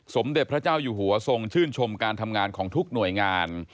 สมเด็จพระเจ้าอยู่หัวทรงชื่นชมการทำงานของทุกหน่วยงาน